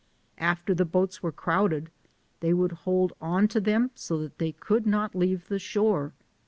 After the boats were crowded, they would hold on to them so that they could not leave the shore.